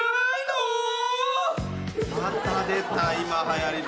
また出た今はやりの。